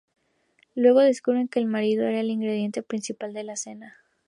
Luego descubren que el marido era el ingrediente principal de la cena.